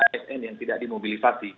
asn yang tidak dimobilisasi